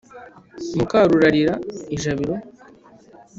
Mukarurarira ijabiro.